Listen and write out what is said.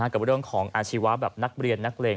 กับเรื่องของอาชีวะแบบนักเรียนนักเลง